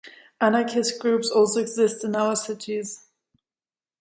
Anarchist groups also exist in other cities.